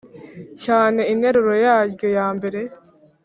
cyane Interuro yaryo ya mbere